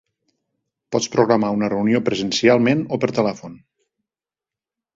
Pots programar una reunió presencialment o per telèfon.